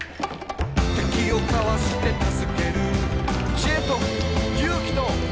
「敵をかわして助ける」「知恵と勇気と希望と」